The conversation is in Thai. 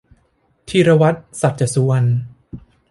ธีรวัฒน์ สัจสุวรรณ